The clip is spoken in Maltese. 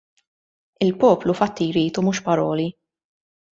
Il-poplu fatti jrid u mhux paroli.